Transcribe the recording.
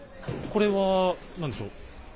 これはなんでしょう？